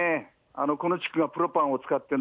この地区がプロパンを使っている